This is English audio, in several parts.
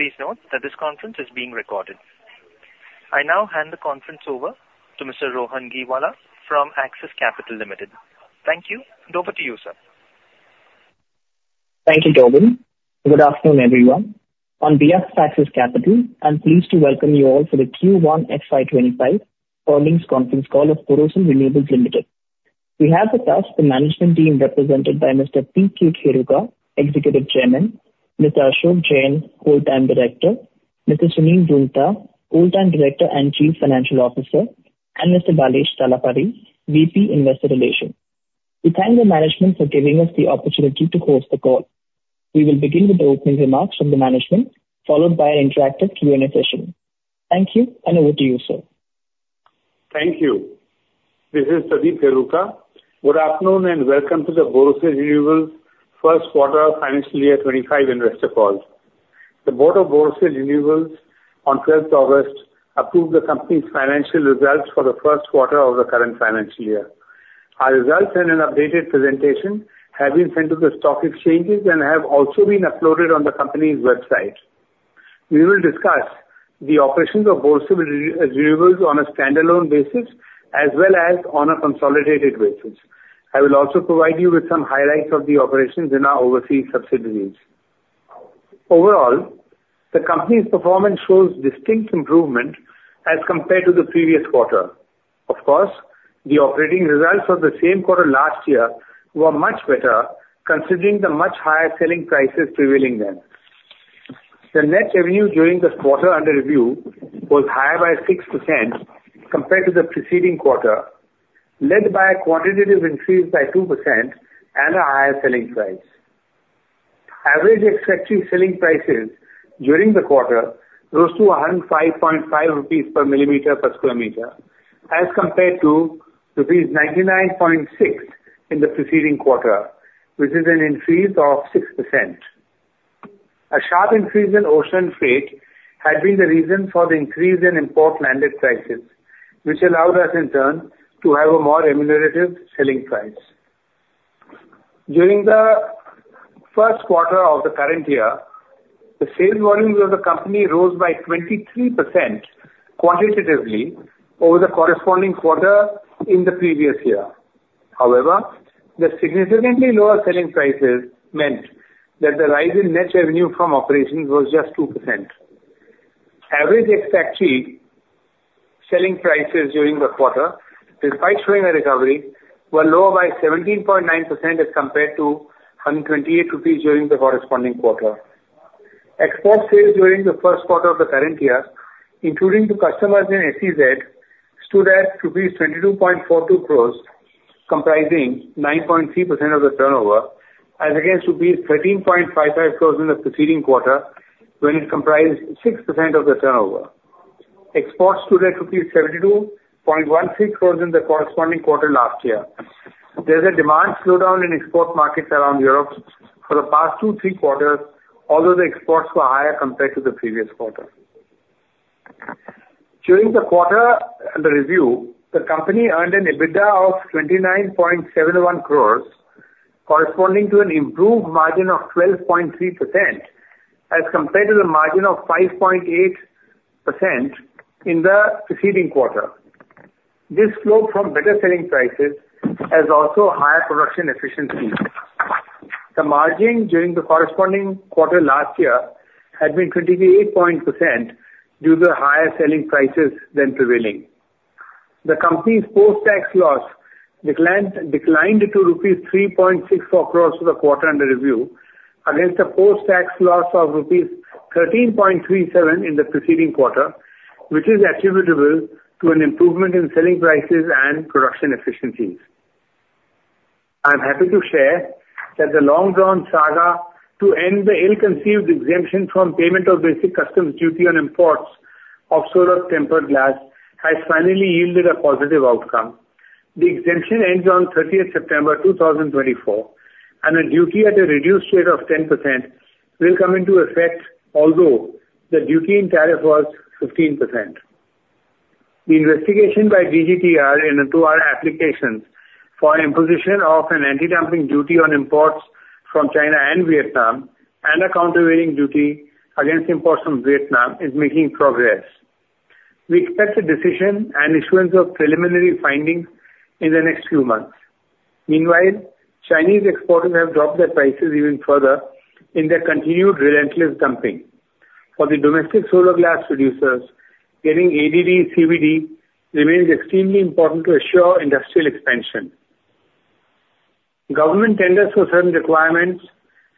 Please note that this conference is being recorded. I now hand the conference over to Mr. Rohan Gheewala from Axis Capital Limited. Thank you. Over to you, sir. Thank you, Tobin. Good afternoon, everyone. On behalf of Axis Capital, I'm pleased to welcome you all for the Q1 FY25 earnings conference call of Borosil Renewables Limited. We have with us the management team, represented by Mr. P. K. Kheruka, Executive Chairman, Mr. Ashok Jain, Full-time Director, Mr. Sunil Roongta, Full-time Director and Chief Financial Officer, and Mr. Balesh Talapady, VP, Investor Relations. We thank the management for giving us the opportunity to host the call. We will begin with the opening remarks from the management, followed by an interactive Q&A session. Thank you, and over to you, sir. Thank you. This is Pradeep Kheruka. Good afternoon, and welcome to the Borosil Renewables first quarter financial year 25 investor call. The Board of Borosil Renewables on twelfth August, approved the company's financial results for the first quarter of the current financial year. Our results and an updated presentation have been sent to the stock exchanges and have also been uploaded on the company's website. We will discuss the operations of Borosil Renewables on a standalone basis, as well as on a consolidated basis. I will also provide you with some highlights of the operations in our overseas subsidiaries. Overall, the company's performance shows distinct improvement as compared to the previous quarter. Of course, the operating results for the same quarter last year were much better, considering the much higher selling prices prevailing then. The net revenue during this quarter under review was higher by 6% compared to the preceding quarter, led by a quantitative increase by 2% and a higher selling price. Average ex-factory selling prices during the quarter rose to 105.5 rupees per millimeter per square meter, as compared to rupees 99.6 in the preceding quarter, which is an increase of 6%. A sharp increase in ocean freight had been the reason for the increase in import landed prices, which allowed us, in turn, to have a more remunerative selling price. During the first quarter of the current year, the sales volumes of the company rose by 23% quantitatively over the corresponding quarter in the previous year. However, the significantly lower selling prices meant that the rise in net revenue from operations was just 2%. Average ex-factory selling prices during the quarter, despite showing a recovery, were lower by 17.9% as compared to 128 rupees during the corresponding quarter. Export sales during the first quarter of the current year, including to customers in SEZ, stood at INR 22.42 crores, comprising 9.3% of the turnover, as against INR 13.55 crores in the preceding quarter, when it comprised 6% of the turnover. Exports stood at 72.16 crores in the corresponding quarter last year. There's a demand slowdown in export markets around Europe for the past 2-3 quarters, although the exports were higher compared to the previous quarter. During the quarter under review, the company earned an EBITDA of 29.71 crores, corresponding to an improved margin of 12.3%, as compared to the margin of 5.8% in the preceding quarter. This flowed from better selling prices as also higher production efficiency. The margin during the corresponding quarter last year had been 28% due to higher selling prices then prevailing. The company's post-tax loss declined to rupees 3.64 crores for the quarter under review, against a post-tax loss of rupees 13.37 crores in the preceding quarter, which is attributable to an improvement in selling prices and production efficiencies. I'm happy to share that the long-drawn saga to end the ill-conceived exemption from payment of basic customs duty on imports of solar tempered glass has finally yielded a positive outcome. The exemption ends on 30th September 2024, and a duty at a reduced rate of 10% will come into effect, although the duty in tariff was 15%. The investigation by DGTR into our applications for imposition of an anti-dumping duty on imports from China and Vietnam and a countervailing duty against imports from Vietnam is making progress. We expect a decision and issuance of preliminary findings in the next few months. Meanwhile, Chinese exporters have dropped their prices even further in their continued relentless dumping. For the domestic solar glass producers, getting ADD, CVD remains extremely important to ensure industrial expansion. Government tenders for certain requirements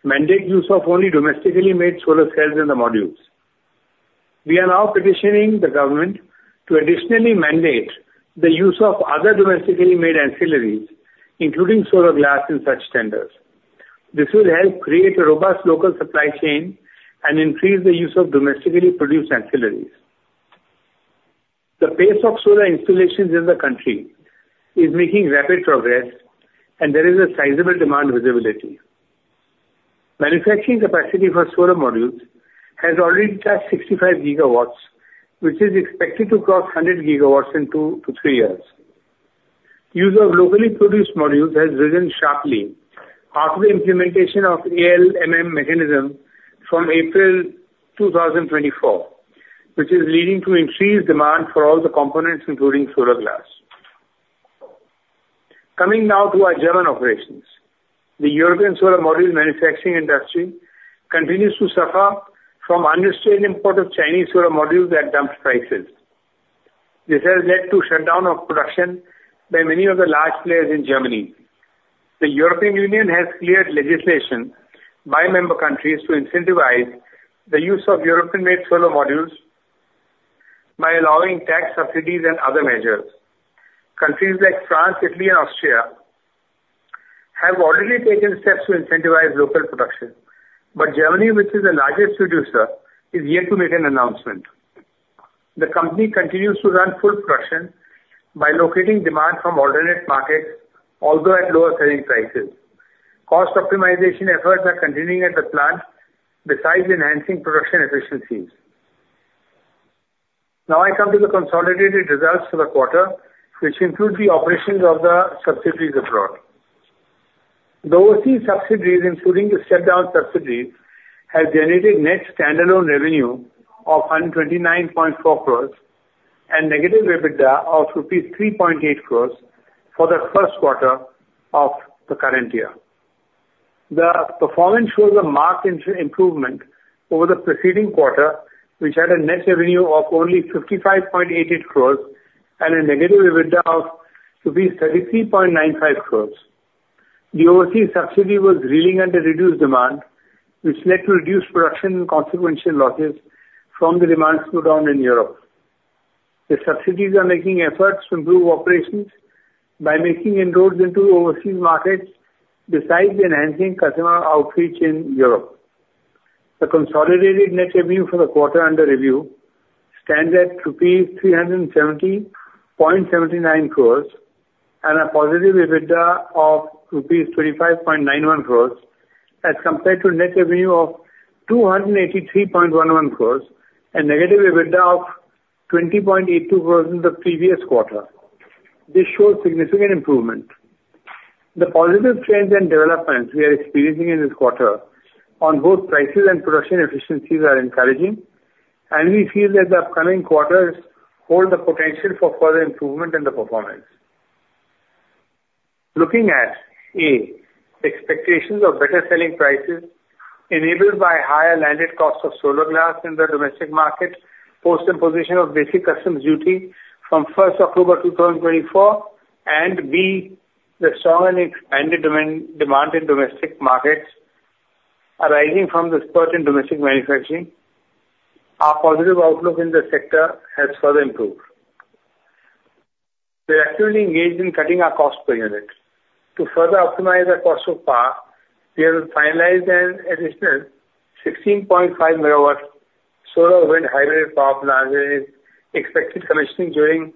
mandate use of only domestically made solar cells in the modules. We are now petitioning the government to additionally mandate the use of other domestically made ancillaries, including solar glass in such tenders. This will help create a robust local supply chain and increase the use of domestically produced ancillaries. The pace of solar installations in the country is making rapid progress, and there is a sizable demand visibility. Manufacturing capacity for solar modules has already touched 65 gigawatts, which is expected to cross 100 gigawatts in 2 to 3 years. Use of locally produced modules has risen sharply after the implementation of ALMM mechanism from April 2024, which is leading to increased demand for all the components, including solar glass. Coming now to our German operations. The European solar module manufacturing industry continues to suffer from unrestricted import of Chinese solar modules at dumped prices. This has led to shutdown of production by many of the large players in Germany. The European Union has cleared legislation by member countries to incentivize the use of European-made solar modules by allowing tax subsidies and other measures. Countries like France, Italy, and Austria have already taken steps to incentivize local production, but Germany, which is the largest producer, is yet to make an announcement. The company continues to run full production by locating demand from alternate markets, although at lower selling prices. Cost optimization efforts are continuing at the plant, besides enhancing production efficiencies. Now I come to the consolidated results for the quarter, which include the operations of the subsidiaries abroad. The overseas subsidiaries, including the shutdown subsidiary, have generated net standalone revenue of 129.4 crores and negative EBITDA of rupees 3.8 crores for the first quarter of the current year. The performance shows a marked improvement over the preceding quarter, which had a net revenue of only 55.88 crore and a negative EBITDA of rupees 33.95 crore. The overseas subsidiary was reeling under reduced demand, which led to reduced production and consequential losses from the demand slowdown in Europe. The subsidiaries are making efforts to improve operations by making inroads into overseas markets, besides enhancing customer outreach in Europe. The consolidated net revenue for the quarter under review stands at rupees 370.79 crore and a positive EBITDA of rupees 35.91 crore, as compared to a net revenue of 283.11 crore and negative EBITDA of 20.82 crore in the previous quarter. This shows significant improvement. The positive trends and developments we are experiencing in this quarter on both prices and production efficiencies are encouraging, and we feel that the upcoming quarters hold the potential for further improvement in the performance. Looking at, A, expectations of better selling prices enabled by higher landed costs of solar glass in the domestic market, post imposition of Basic Customs Duty from October 1, 2024, and B, the strong and expanded demand in domestic markets arising from the spurt in domestic manufacturing, our positive outlook in the sector has further improved. We are actively engaged in cutting our cost per unit. To further optimize our cost of power, we have finalized an additional 16.5 MW solar wind hybrid power plant that is expected commissioning during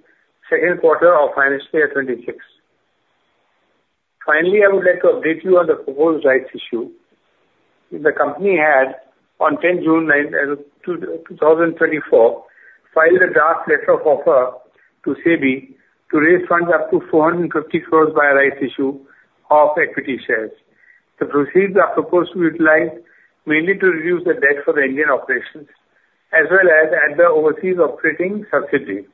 second quarter of financial year 2026. Finally, I would like to update you on the proposed rights issue. The company had, on 10th June 2024, filed a draft letter of offer to SEBI to raise funds up to 450 crore by a rights issue of equity shares. The proceeds are proposed to utilize mainly to reduce the debt for the Indian operations as well as at the overseas operating subsidiaries.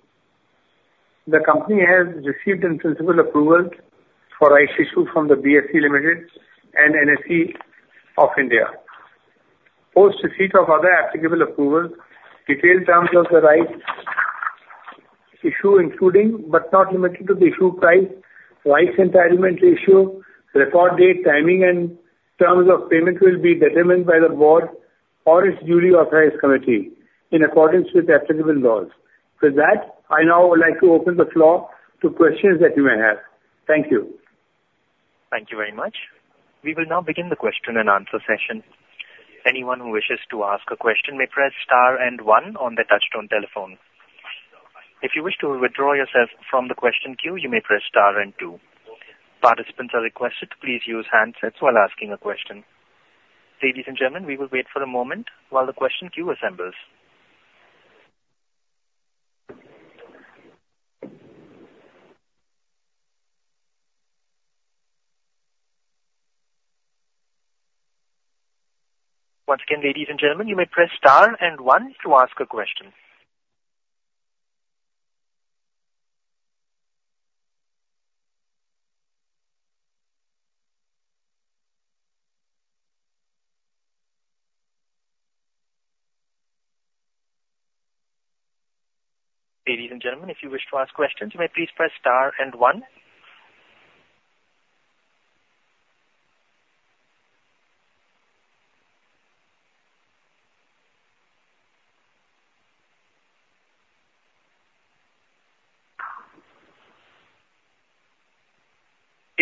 The company has received in-principle approval for rights issue from the BSE Limited and NSE of India. Post receipt of other applicable approvals, detailed terms of the rights issue, including but not limited to the issue price, rights entitlement issue, record date, timing, and terms of payment, will be determined by the board or its duly authorized committee in accordance with applicable laws. With that, I now would like to open the floor to questions that you may have. Thank you. Thank you very much. We will now begin the question and answer session. Anyone who wishes to ask a question may press star and one on their touchtone telephone. If you wish to withdraw yourself from the question queue, you may press star and two. Participants are requested to please use handsets while asking a question. Ladies and gentlemen, we will wait for a moment while the question queue assembles. Once again, ladies and gentlemen, you may press star and one to ask a question. Ladies and gentlemen, if you wish to ask questions, you may please press star and one.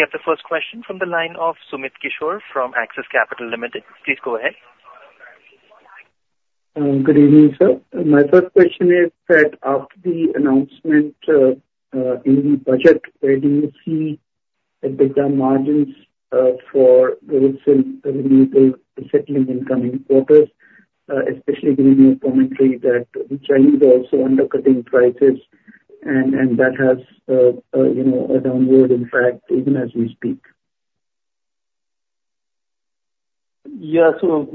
We have the first question from the line of Sumit Kishore from Axis Capital Limited. Please go ahead. Good evening, sir. My first question is that after the announcement in the budget, where do you see EBITDA margins for Borosil Renewables settling in coming quarters, especially given your commentary that the Chinese are also undercutting prices, and that has, you know, a downward impact even as we speak. Yeah. So,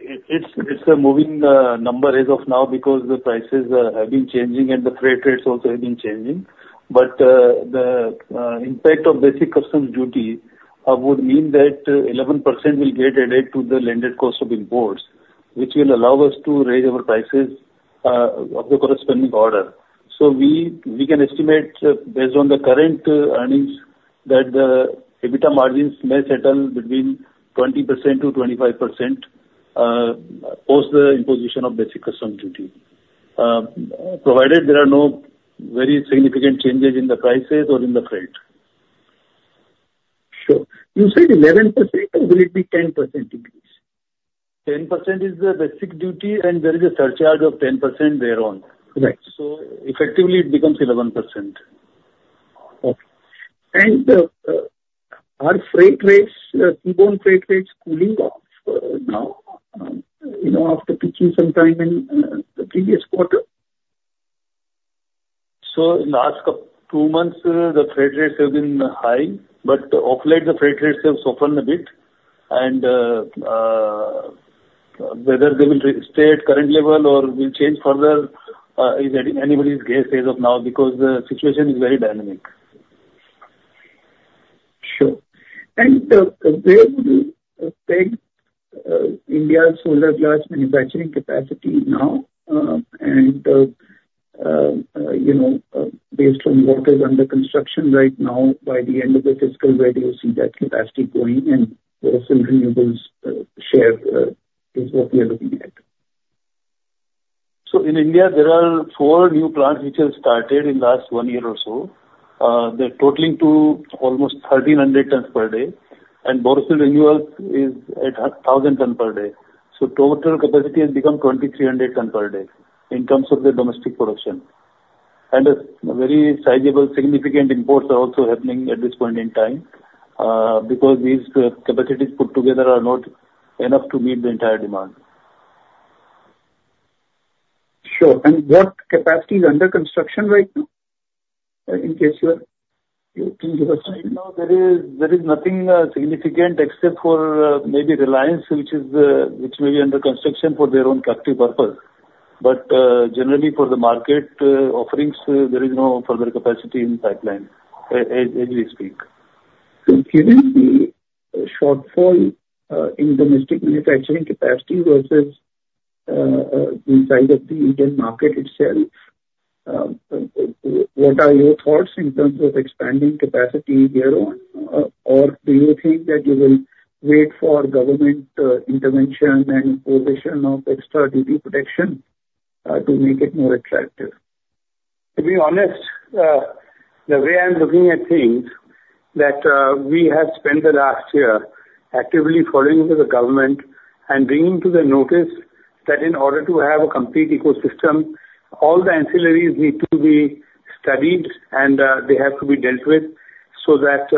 it's a moving number as of now because the prices have been changing and the freight rates also have been changing. But, the impact of basic customs duty would mean that 11% will get added to the landed cost of imports, which will allow us to raise our prices of the corresponding order. So we can estimate, based on the current earnings that the EBITDA margins may settle between 20%-25% post the imposition of basic customs duty, provided there are no very significant changes in the prices or in the freight. Sure. You said 11%, or will it be 10% increase? 10% is the basic duty, and there is a surcharge of 10% thereon. Right. So effectively, it becomes 11%. Okay. Are freight rates, seaborne freight rates, cooling off now, you know, after peaking some time in the previous quarter? So in the last two months, the freight rates have been high, but of late the freight rates have softened a bit. Whether they will stay at current level or will change further is anybody's guess as of now, because the situation is very dynamic. Sure. And, where would you peg, India's solar glass manufacturing capacity now, and, you know, based on what is under construction right now, by the end of the fiscal, where do you see that capacity going, and Borosil Renewables, share, is what we are looking at? So in India, there are four new plants which have started in the last one year or so. They're totaling to almost 1,300 tons per day, and Borosil Renewables is at a 1,000 ton per day. So total capacity has become 2,300 ton per day in terms of the domestic production. And a very sizable significant imports are also happening at this point in time, because these capacities put together are not enough to meet the entire demand. Sure. What capacity is under construction right now, in case you are in your- Right now, there is nothing significant except for maybe Reliance, which may be under construction for their own captive purpose. But generally for the market offerings, there is no further capacity in pipeline as we speak. So given the shortfall in domestic manufacturing capacity versus the size of the Indian market itself, what are your thoughts in terms of expanding capacity there on? Or do you think that you will wait for government intervention and imposition of extra duty protection to make it more attractive? To be honest, the way I'm looking at things, that, we have spent the last year actively following with the government and bringing to the notice that in order to have a complete ecosystem, all the ancillaries need to be studied, and, they have to be dealt with so that,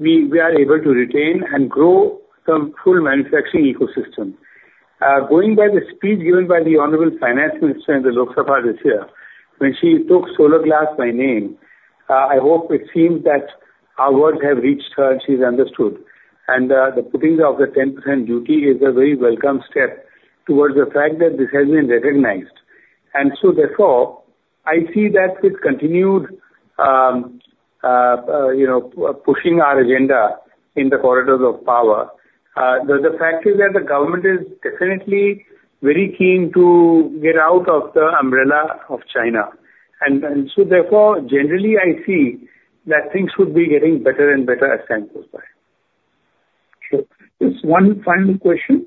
we, we are able to retain and grow the full manufacturing ecosystem. Going by the speech given by the Honorable Finance Minister in the Lok Sabha this year, when she took solar glass by name, I hope it seems that our words have reached her and she's understood. And, the putting of the 10% duty is a very welcome step towards the fact that this has been recognized. And so therefore, I see that with continued, you know, pushing our agenda in the corridors of power, the fact is that the government is definitely very keen to get out of the umbrella of China. And so therefore, generally, I see that things should be getting better and better as time goes by. Sure. Just one final question.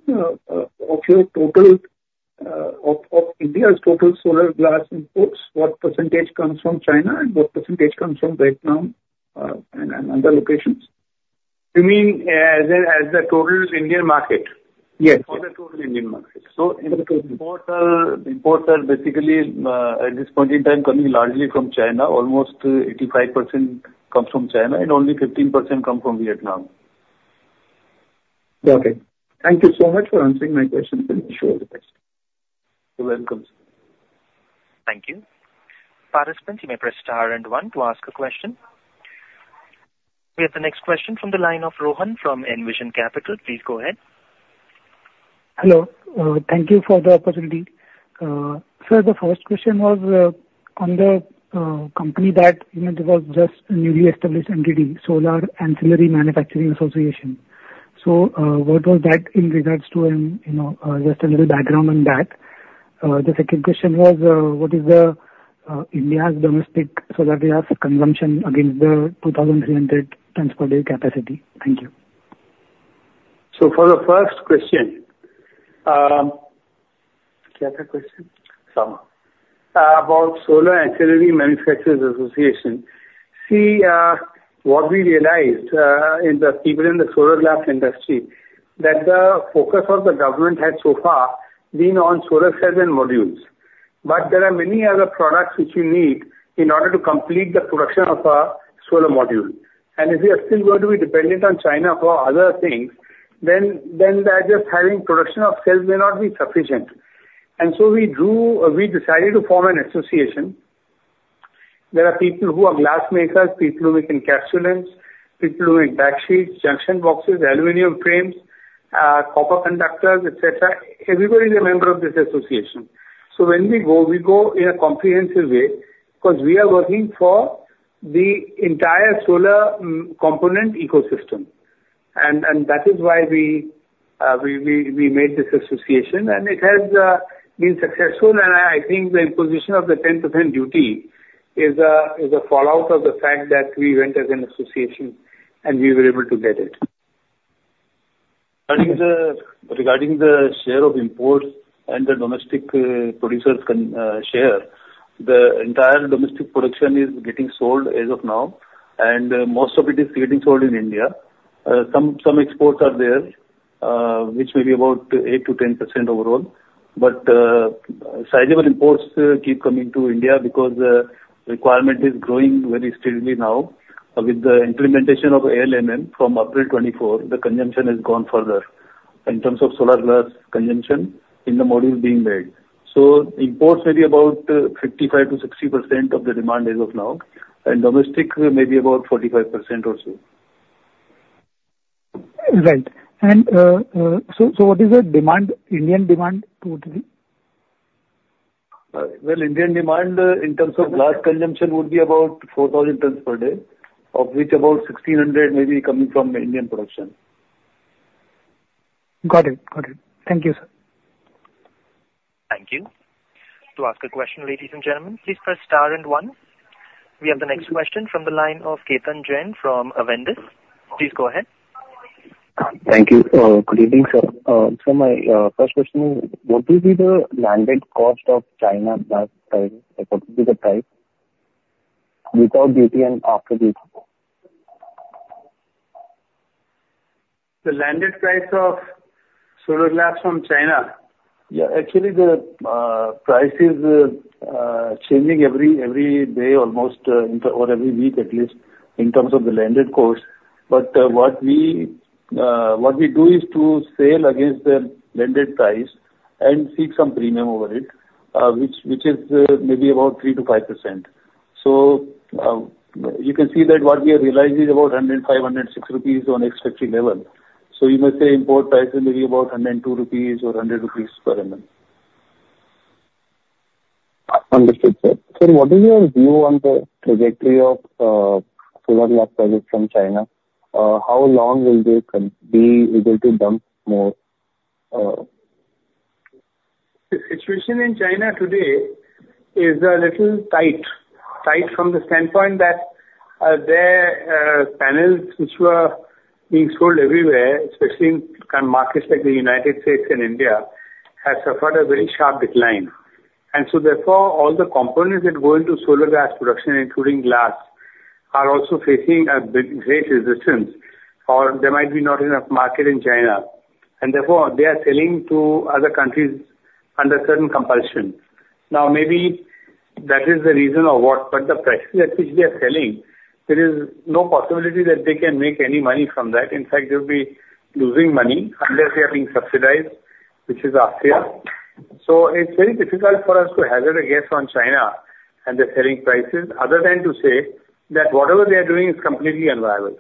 Of India's total solar glass imports, what percentage comes from China, and what percentage comes from Vietnam, and other locations? You mean, as the total Indian market? Yes. For the total Indian market. Total. Imports are basically at this point in time coming largely from China. Almost 85% comes from China, and only 15% come from Vietnam. Okay. Thank you so much for answering my questions, and wish you all the best. You're welcome. Thank you. Participants, you may press star and one to ask a question. We have the next question from the line of Rohan from Envision Capital. Please go ahead. Hello. Thank you for the opportunity. So the first question was, on the company that, you know, there was just a newly established entity, Solar Ancillary Manufacturing Association. So, what was that in regards to, and, you know, just a little background on that. The second question was, what is India's domestic solar glass consumption against the 2,300 tons per day capacity? Thank you. For the first question... What's the other question? Sam, about Solar Ancillary Manufacturers' Association. See, what we realized, even in the solar glass industry, that the focus of the government had so far been on solar cells and modules. But there are many other products which you need in order to complete the production of our solar module. And if we are still going to be dependent on China for other things, then that just having production of cells may not be sufficient. And so we decided to form an association. There are people who are glass makers, people who make encapsulants, people who make backsheets, junction boxes, aluminum frames, copper conductors, etc. Everybody is a member of this association. So when we go, we go in a comprehensive way, because we are working for the entire solar component ecosystem. And that is why we made this association, and it has been successful. And I think the imposition of the 10% duty is a fallout of the fact that we went as an association, and we were able to get it. Regarding the share of imports and the domestic producers' share, the entire domestic production is getting sold as of now, and most of it is getting sold in India. Some exports are there, which will be about 8%-10% overall. But sizable imports keep coming to India because the requirement is growing very steadily now. With the implementation of ALMM from April 2024, the consumption has gone further in terms of solar glass consumption in the modules being made. So imports may be about 55%-60% of the demand as of now, and domestic may be about 45% or so. Right. And, so what is the demand, Indian demand totally? Well, Indian demand, in terms of glass consumption would be about 4,000 tons per day, of which about 1,600 may be coming from Indian production. Got it. Got it. Thank you, sir. Thank you. To ask a question, ladies and gentlemen, please press star and one. We have the next question from the line of Ketan Jain from Avendus. Please go ahead. Thank you. Good evening, sir. So my first question is: What will be the landed cost of China glass panel? Like, what will be the price, without duty and after duty? The landed price of solar glass from China? Yeah, actually, the price is changing every, every day, almost, or every week at least, in terms of the landed cost. But, what we, what we do is to sell against the landed price and seek some premium over it, which, which is, maybe about 3%-5%. So, you can see that what we are realizing is about 105-106 rupees on ex-factory level. So you may say import price is maybe about 102 rupees or 100 rupees per mm. Understood, sir. Sir, what is your view on the trajectory of solar glass products from China? How long will they be able to dump more? The situation in China today is a little tight. Tight from the standpoint that, their panels, which were being sold everywhere, especially in kind of markets like the United States and India, has suffered a very sharp decline. And so therefore, all the components that go into solar glass production, including glass, are also facing a big, great resistance, or there might be not enough market in China, and therefore, they are selling to other countries under certain compulsion. Now, maybe that is the reason or what, but the price at which they are selling, there is no possibility that they can make any money from that. In fact, they'll be losing money unless they are being subsidized, which is our fear. It's very difficult for us to hazard a guess on China and the selling prices, other than to say that whatever they are doing is completely unviable.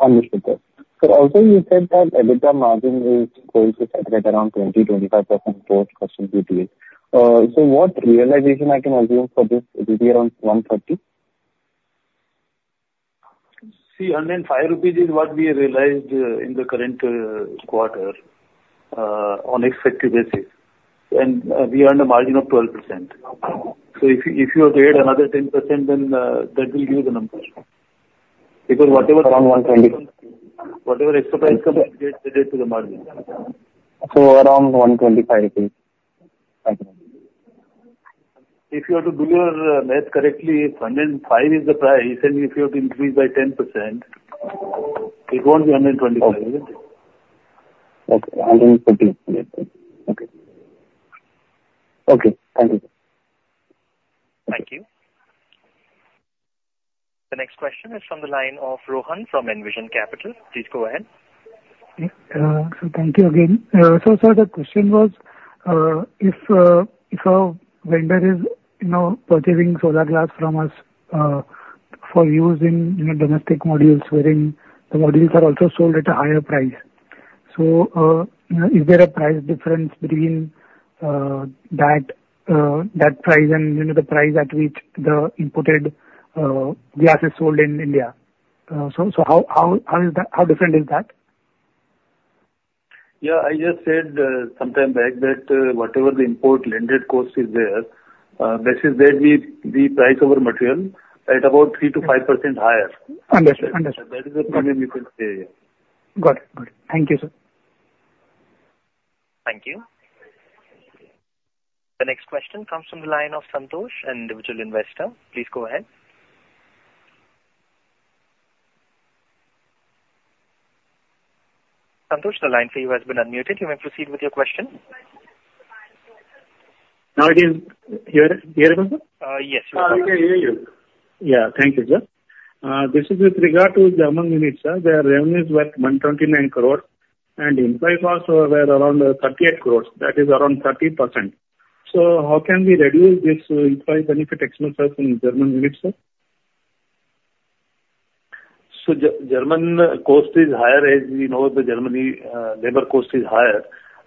Understood, sir. So also, you said that EBITDA margin is going to saturate around 20%-25% post custom duty. So what realization I can assume for this? Will it be around 130? See, 105 rupees is what we realized in the current quarter on ex-factory basis, and we earned a margin of 12%. So if you, if you add another 10%, then that will give you the number. Because whatever- Around 120. Whatever extra price comes, we get to the margin. Around 125 rupees it is. Thank you. If you are to do your math correctly, if 105 is the price, and if you have to increase by 10%, it won't be 125. Okay. Okay, 150. Yeah. Okay. Okay, thank you. Thank you. The next question is from the line of Rohan from Envision Capital. Please go ahead. So thank you again. So, sir, the question was, if a vendor is, you know, purchasing solar glass from us, for use in, you know, domestic modules, wherein the modules are also sold at a higher price, so, is there a price difference between that price and, you know, the price at which the imported glass is sold in India? So, how is that? How different is that? Yeah, I just said sometime back that whatever the import landed cost is there, basis that we price our material at about 3%-5% higher. Understood. Understood. That is the premium you can pay, yeah. Got it. Got it. Thank you, sir. Thank you. The next question comes from the line of Santhosh, individual investor. Please go ahead... Santhosh, the line for you has been unmuted. You may proceed with your question. Now it is hear, hearable, sir? yes. We can hear you. Yeah, thank you, sir. This is with regard to the German unit, sir. Their revenues were 129 crore, and employee costs were around 38 crore. That is around 30%. So how can we reduce this employee benefit expense in German unit, sir? German cost is higher. As we know, the Germany labor cost is higher.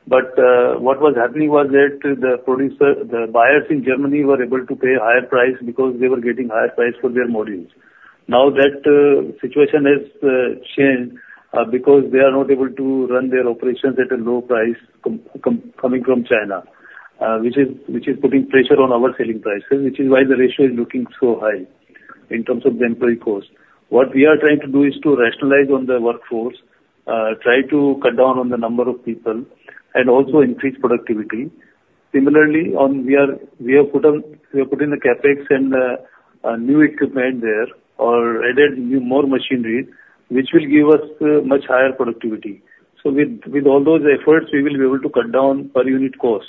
But what was happening was that the producer, the buyers in Germany were able to pay higher price because they were getting higher price for their modules. Now that situation has changed because they are not able to run their operations at a low price coming from China, which is putting pressure on our selling prices, which is why the ratio is looking so high in terms of the employee cost. What we are trying to do is to rationalize on the workforce, try to cut down on the number of people and also increase productivity. Similarly, we have put in the CapEx and a new equipment there or added new, more machinery, which will give us much higher productivity. So with all those efforts, we will be able to cut down per unit cost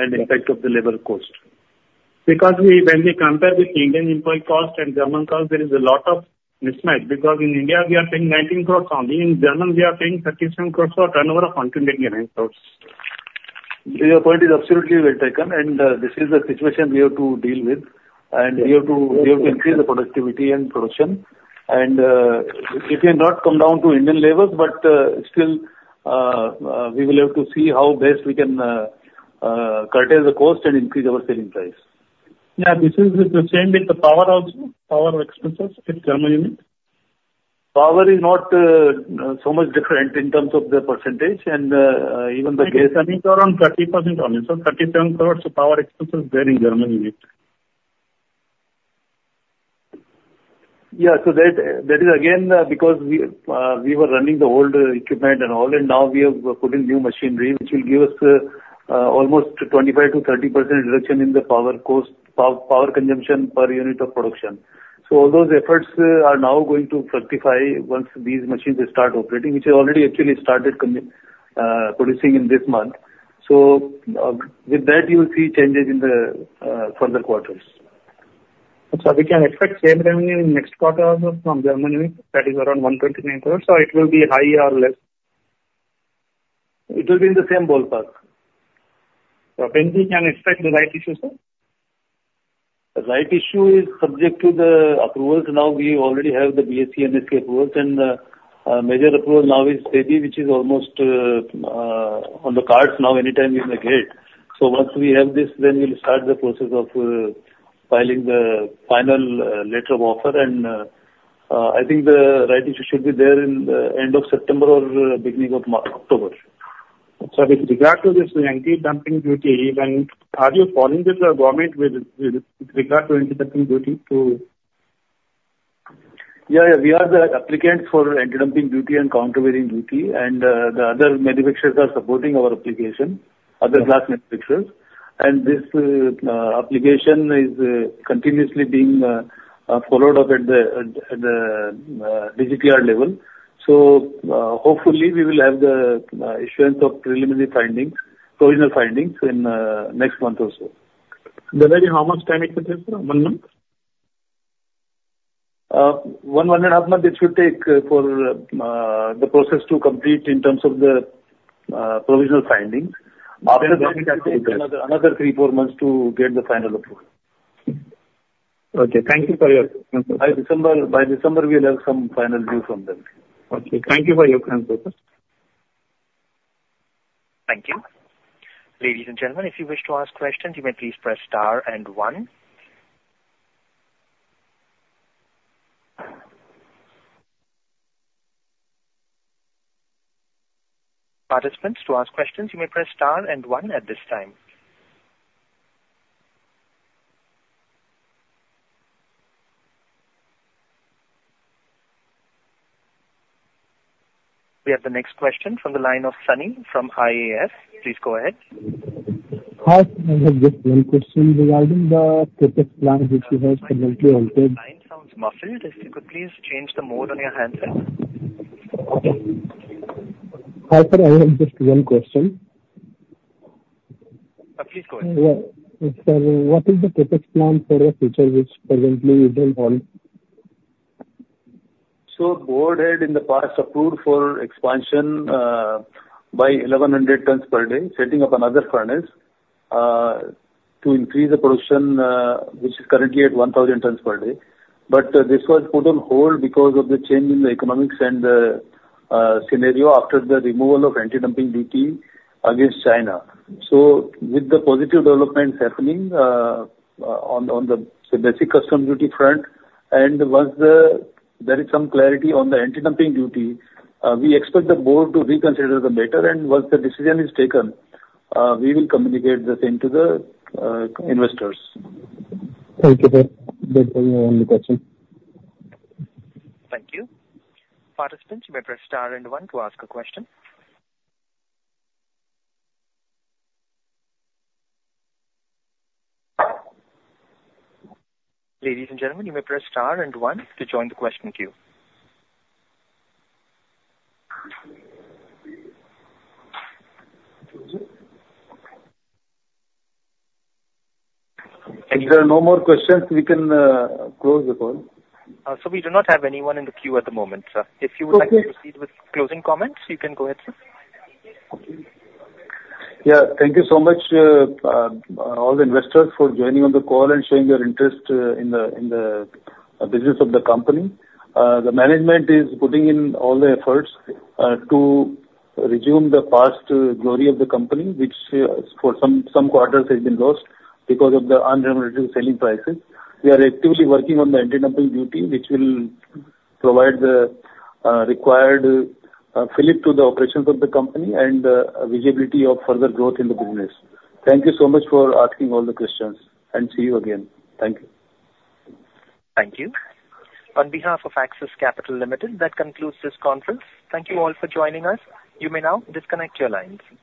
and impact of the labor cost. Because we, when we compare with Indian employee cost and German cost, there is a lot of mismatch, because in India we are paying 19 crore only. In Germany, we are paying 37 crore for a turnover of 29 crore. Your point is absolutely well taken, and this is the situation we have to deal with, and we have to—Yes. We have to increase the productivity and production. It may not come down to Indian levels, but, still, we will have to see how best we can, curtail the cost and increase our selling price. Yeah, this is the same with the power also, power expenses with German unit? Power is not so much different in terms of the percentage. And, even, I mean, it's around 30% on it, so 37 crore power expenses there in German unit. Yeah. So that, that is again, because we, we were running the old equipment and all, and now we have put in new machinery, which will give us, almost 25%-30% reduction in the power cost, power consumption per unit of production. So all those efforts are now going to fructify once these machines start operating, which already actually started producing in this month. So, with that, you will see changes in the further quarters. So we can expect same revenue in next quarter also from Germany? That is around 129 crore, or it will be higher or less? It will be in the same ballpark. So when can we expect the rights issue, sir? The rights issue is subject to the approvals. Now, we already have the BSE and NSE approvals, and major approval now is SEBI, which is almost on the cards now, anytime we may get. So once we have this, then we'll start the process of filing the final letter of offer. I think the rights issue should be there in the end of September or beginning of October. So with regard to this anti-dumping duty, are you following with the government with regard to anti-dumping duty too? Yeah, yeah. We are the applicants for anti-dumping duty and countervailing duty, and the other manufacturers are supporting our application, other glass manufacturers. And this application is continuously being followed up at the DGTR level. So, hopefully, we will have the assurance of preliminary findings, provisional findings, in next month or so. Then how much time it will take, sir? One month? One, one and a half month it should take for the process to complete in terms of the provisional findings. Okay.After that, it will take another 3-4 months to get the final approval. Okay. Thank you for your answer. By December, we will have some final view from them. Okay. Thank you for your time, sir. Thank you. Ladies and gentlemen, if you wish to ask questions, you may please press Star and one. Participants, to ask questions, you may press Star and one at this time. We have the next question from the line of Sunny from IAS. Please go ahead. Hi, I have just one question regarding the CapEx plan which you have presently in-... Your line sounds muffled. If you could please change the mode on your handset? Okay. Hi, sir, I have just one question. Please go ahead. Yeah. What is the CapEx plan for the future, which presently you don't have? So the Board had in the past approved for expansion by 1,100 tons per day, setting up another furnace to increase the production, which is currently at 1,000 tons per day. But this was put on hold because of the change in the economics and the scenario after the removal of anti-dumping duty against China. So with the positive developments happening on the Basic Customs Duty front, and once there is some clarity on the anti-dumping duty, we expect the Board to reconsider the matter, and once the decision is taken, we will communicate the same to the investors. Thank you, sir. That was my only question. Thank you. Participants, you may press Star and one to ask a question. Ladies and gentlemen, you may press Star and one to join the question queue. If there are no more questions, we can close the call. Sir, we do not have anyone in the queue at the moment, sir. Okay. If you would like to proceed with closing comments, you can go ahead, sir. Yeah, thank you so much, all the investors for joining on the call and showing your interest, in the business of the company. The management is putting in all the efforts, to resume the past glory of the company, which, for some quarters has been lost because of the unrealized selling prices. We are actively working on the anti-dumping duty, which will provide the required fillip to the operations of the company and visibility of further growth in the business. Thank you so much for asking all the questions, and see you again. Thank you. Thank you. On behalf of Axis Capital Limited, that concludes this conference. Thank you all for joining us. You may now disconnect your lines.